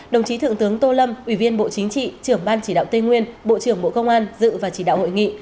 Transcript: đồng chí thượng tướng tô lâm ủy viên bộ chính trị trưởng ban chỉ đạo tây nguyên bộ trưởng bộ công an dự và chỉ đạo hội nghị